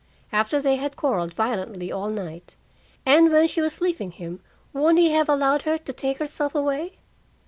After they had quarreled violently all night, and when she was leaving him, wouldn't he have allowed her to take herself away?